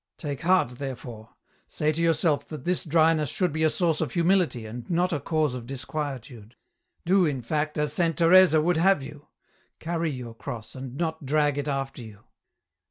Take heart therefore ; say to yourself that this dryness should be a source of humility, and not a cause of disquietude ; do, in fact, as Saint Teresa would have you : carry your cross, and not drag it after you."